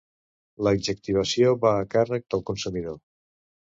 L'adjectivació va a càrrec del consumidor.